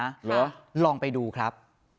เหรอลองไปดูครับ